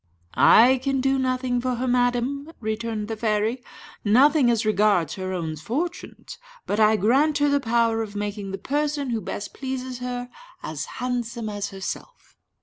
"I can do nothing for her, madam," returned the fairy "nothing as regards her own fortunes; but I grant her the power of making the person who best pleases her as handsome as herself."